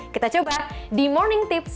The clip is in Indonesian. kita coba di morning tips